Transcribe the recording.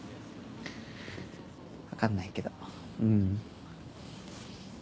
分かんないけどうん。